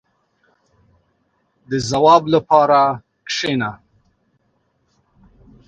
• د ځواب لپاره کښېنه.